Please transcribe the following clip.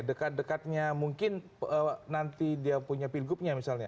dekat dekatnya mungkin nanti dia punya pilgubnya misalnya